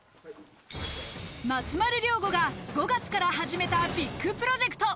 松丸亮吾が５月から始めたビッグプロジェクト。